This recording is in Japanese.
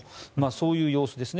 そういう様子ですね。